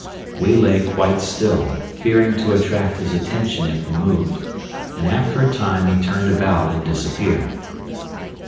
We lay quite still, fearing to attract his attention if we moved, and after a time he turned about and disappeared.